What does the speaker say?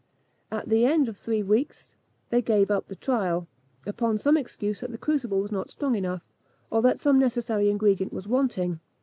At the end of three weeks they gave up the trial, upon some excuse that the crucible was not strong enough, or that some necessary ingredient was wanting.